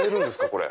これ。